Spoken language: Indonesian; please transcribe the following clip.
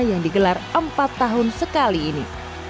yang digelar empat tahun sekali ini